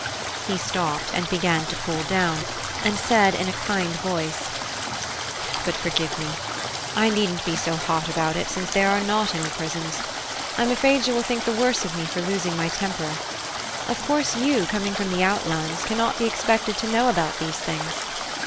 He stopped, and began to cool down, and said in a kind voice: "But forgive me! I needn't be so hot about it, since there are not any prisons: I'm afraid you will think the worse of me for losing my temper. Of course, you, coming from the outlands, cannot be expected to know about these things.